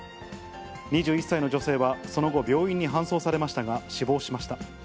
２１歳の女性はその後、病院に搬送されましたが、死亡しました。